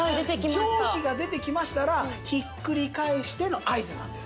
蒸気が出てきましたらひっくり返しての合図なんです。